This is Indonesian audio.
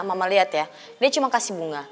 mama lihat ya dia cuma kasih bunga